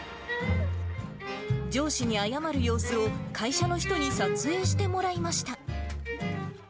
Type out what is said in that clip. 上司に謝る様子を、会社の人に撮影してもらいました。